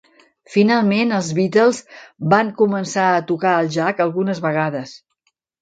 Finalment, els Beatles van començar a tocar al Jac algunes vegades.